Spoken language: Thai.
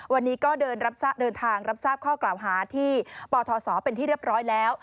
วันนี้ก็เดินทางรับทราบข้อกล่าวหาที่ปทศเป็นที่เรียบร้อยแล้ว